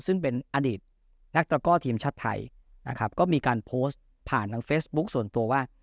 ซึ่งเป็นอดีตนักตระก้อทีมชาติไทยนะครับก็มีการโพสต์ผ่านทางเฟซบุ๊คส่วนตัวว่า